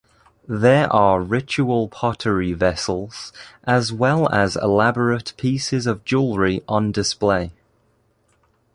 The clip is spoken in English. There are ritual pottery vessels as well as elaborate pieces of jewelry on display.